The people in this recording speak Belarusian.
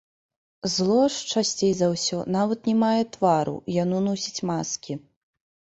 Зло ж, часцей за ўсё, нават не мае твару, яно носіць маскі.